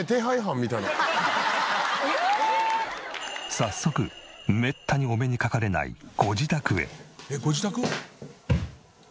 早速めったにお目にかかれないご自宅へ。